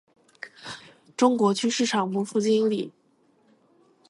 中国区市场部副总经理回应了李杰定下的目标